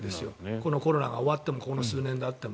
このコロナが終わってもこの数年であっても。